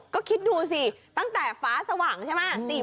ก็คิดดูสิตั้งแต่ฟ้าสว่างใช่ไหม